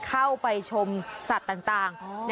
เข้าไปชมสัตว์ต่าง